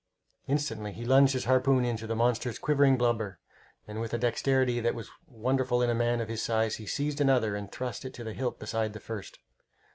Instantly he plunged his harpoon into the monster's quivering blubber, and with a dexterity that was wonderful in a man of his size, he seized another and thrust it to the hilt beside the first.